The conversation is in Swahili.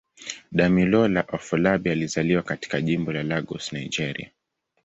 Damilola Afolabi alizaliwa katika Jimbo la Lagos, Nigeria.